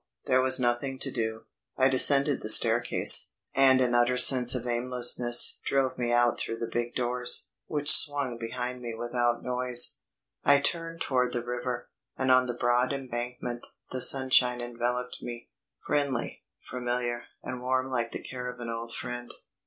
There was nothing to do. I descended the staircase, and an utter sense of aimlessness drove me out through the big doors, which swung behind me without noise. I turned toward the river, and on the broad embankment the sunshine enveloped me, friendly, familiar, and warm like the care of an old friend.